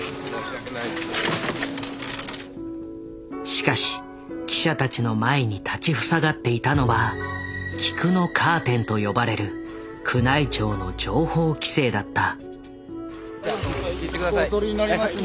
しかし記者たちの前に立ち塞がっていたのは「菊のカーテン」と呼ばれる宮内庁の情報規制だった。